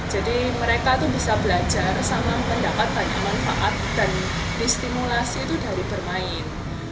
jadi mereka tuh bisa belajar sama pendapat banyak manfaat dan distimulasi itu dari bermain